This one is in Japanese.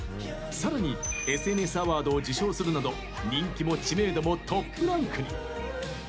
さらにＳＮＳアワードを受賞するなど人気も知名度もトップランクに。